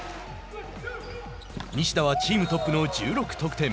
西田はチームトップの１６得点。